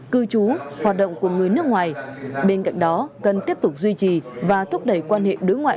cư trú hoạt động của người nước ngoài bên cạnh đó cần tiếp tục duy trì và thúc đẩy quan hệ đối ngoại